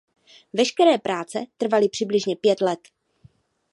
Veškeré práce trvaly přibližně pět let.